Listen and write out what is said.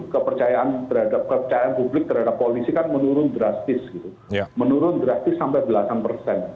kepercayaan terhadap kepercayaan publik terhadap polisi kan menurun drastis gitu menurun drastis sampai belasan persen